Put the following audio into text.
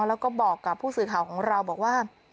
แล้วก็บอกกับผู้สื่อข่าวของเราบอกว่า